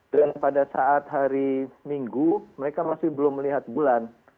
dan pada saat hari minggu mereka masih belum melihat bulan